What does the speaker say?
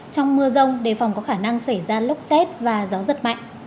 trong mưa rông đề phòng có khả năng xảy ra lốc xét và gió giật mạnh